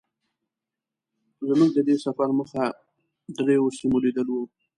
زمونږ د دې سفر موخه درېيو سیمو لیدل وو.